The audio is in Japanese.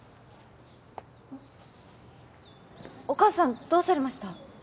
お母さんどうされました？